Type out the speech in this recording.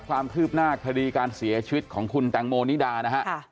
ความคืบหน้าคดีการเสียชีวิตของคุณแตงโมนิดานะฮะ